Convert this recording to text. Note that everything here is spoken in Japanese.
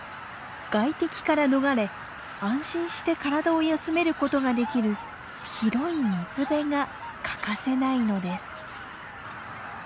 外敵から逃れ安心して体を休めることができる広い水辺が欠かせないのです。